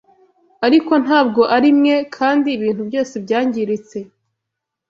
Ariko ntabwo arimwe kandi ibintu byose byangiritse